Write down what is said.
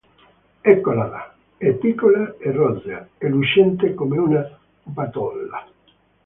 Eccola là; è piccola e rosea e lucente come una pupattola.